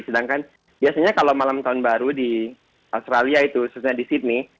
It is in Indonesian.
sedangkan biasanya kalau malam tahun baru di australia itu khususnya di sydney